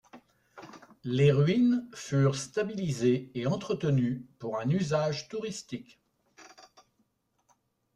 Les ruines furent stabilisées et entretenues pour un usage touristique.